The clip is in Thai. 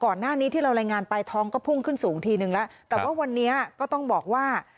ที่เรารายงานไปท้องก็พุ่งขึ้นสูงทีนึงแล้วแต่ว่าวันนี้ก็ต้องบอกว่า